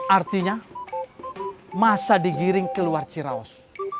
artinya masa digiring keluar ciraus